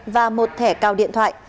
và một thẻ cao điện thoại